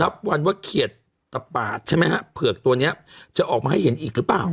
วันว่าเขียดตะปาดใช่ไหมฮะเผือกตัวนี้จะออกมาให้เห็นอีกหรือเปล่า